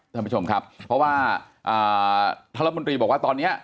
ท่านผู้ชมครับเพราะว่าท่านรัฐมนตรีบอกว่าตอนนี้